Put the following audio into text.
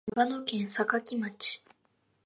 長野県坂城町